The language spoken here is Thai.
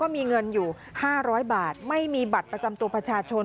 มีเงินอยู่๕๐๐บาทไม่มีบัตรประจำตัวประชาชน